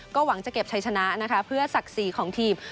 หวังจะเก็บชัยชนะนะคะเพื่อศักดิ์ศรีของทีม